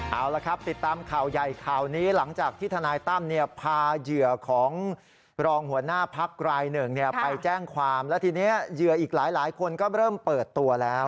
เอาละครับติดตามข่าวใหญ่ข่าวนี้หลังจากที่ทนายตั้มพาเหยื่อของรองหัวหน้าพักรายหนึ่งไปแจ้งความแล้วทีนี้เหยื่ออีกหลายคนก็เริ่มเปิดตัวแล้ว